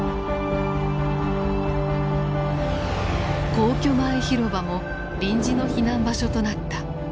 皇居前広場も臨時の避難場所となった。